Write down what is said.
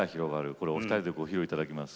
これお二人でご披露いただきます。